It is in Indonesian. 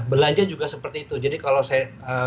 belanja juga seperti itu jadi kalau saya